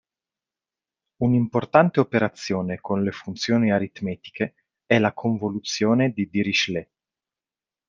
Un'importante operazione con le funzioni aritmetiche è la convoluzione di Dirichlet.